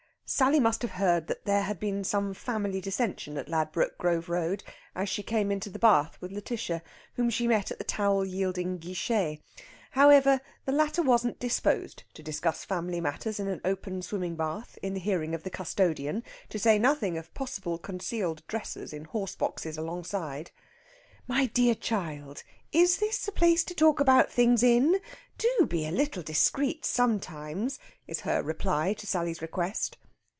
Sally must have heard there had been some family dissension at Ladbroke Grove Road as she came into the bath with Lætitia, whom she met at the towel yielding guichet. However, the latter wasn't disposed to discuss family matters in an open swimming bath in the hearing of the custodian, to say nothing of possible concealed dressers in horse boxes alongside. "My dear child, is this the place to talk about things in? Do be a little discreet sometimes," is her reply to Sally's request.